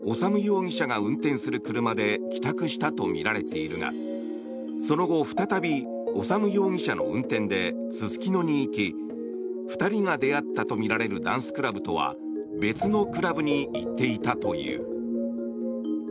瑠奈容疑者は午前２時ごろ事件現場となったホテルを１人で出て修容疑者が運転する車で帰宅したとみられているがその後再び修容疑者の運転ですすきのに行き２人が出会ったとみられるダンスクラブとは別のクラブに行っていたという。